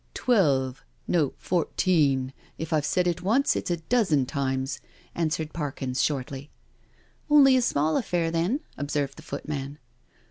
" Twelve — no, fourteen— if I've said it once it's a dozen times," answered Parkins shortly. " Only a small affair, then," observed the footman.